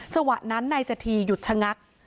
จังหวะนั้นนายจธีหยุดชะงัก